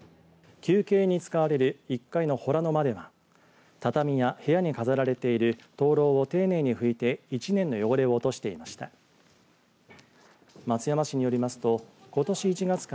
休憩に使われる１階の洞の間では畳や部屋に飾られている灯籠を丁寧に拭いて１年の汚れを落としていました。